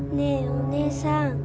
おねえさん。